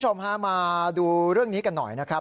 คุณผู้ชมฮะมาดูเรื่องนี้กันหน่อยนะครับ